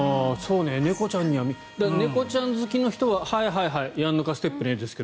猫ちゃんには猫ちゃん好きにははいはいやんのかステップねと。